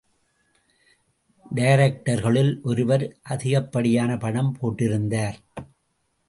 டைரக்டர்களுள் ஒருவர் அதிகப்படியான பணம் போட்டிருந்தார்.